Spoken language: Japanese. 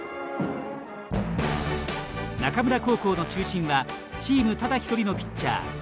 中村高校の中心はチームただ一人のピッチャー